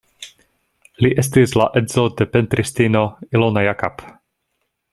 Li estis la edzo de pentristino Ilona Jakab.